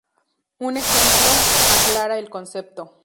Un ejemplo aclara el concepto.